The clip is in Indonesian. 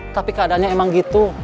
tapi keadaannya emang gitu